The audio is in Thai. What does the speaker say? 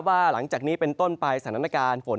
หลังจากนี้เป็นต้นไปสถานการณ์ฝน